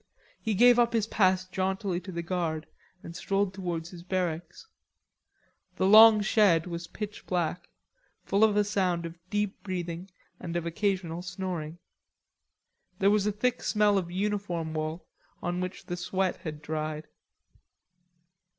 He gave up his pass jauntily to the guard and strolled towards his barracks. The long shed was pitch black, full of a sound of deep breathing and of occasional snoring. There was a thick smell of uniform wool on which the sweat had dried.